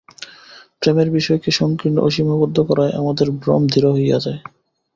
প্রেমের বিষয়কে সঙ্কীর্ণ ও সীমাবদ্ধ করায় আমাদের ভ্রম দৃঢ় হইয়া যায়।